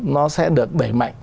nó sẽ được đẩy mạnh